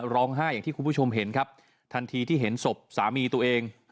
อย่างที่คุณผู้ชมเห็นครับทันทีที่เห็นศพสามีตัวเอง